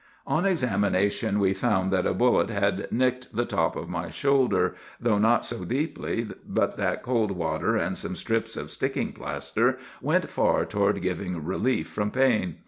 "On examination we found that a bullet had nicked the top of my shoulder, though not so deeply but that cold water and some strips of sticking plaster went far toward giving relief from pain.